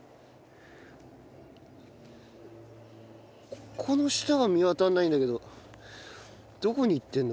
ここの下が見当たらないんだけどどこにいってるの？